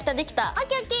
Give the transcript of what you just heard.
ＯＫＯＫ。